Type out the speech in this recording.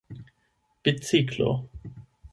biciklo